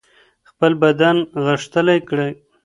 خپل بدن غښتلی کړئ.